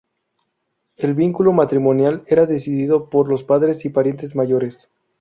El vínculo matrimonial era decidido por los padres y parientes mayores.